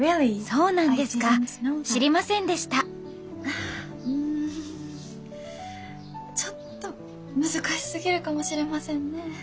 うんちょっと難しすぎるかもしれませんね。